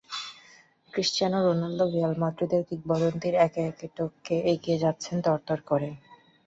Cristiano রোনালদোও Real মাদ্রিদের কিংবদন্তিদের একে একে টপকে এগিয়ে যাচ্ছেন তরতর করে।